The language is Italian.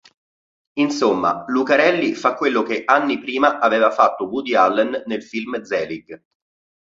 Insomma, Lucarelli fa quello che anni prima aveva fatto Woody Allen nel film Zelig.